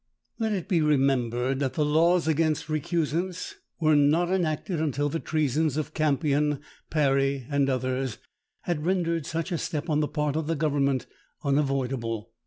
Let it be remembered that the laws against recusants were not enacted until the treasons of Campion, Parry, and others, had rendered such a step on the part of the government unavoidable.